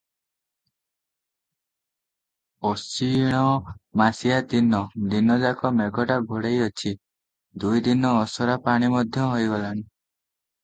ଅଶିଣମାସିଆ ଦିନ, ଦିନ ଯାକ ମେଘଟା ଘୋଡେଇଛି, ଦୁଇ ଦିନ ଅସରା ପାଣି ମଧ୍ୟ ହୋଇଗଲାଣି ।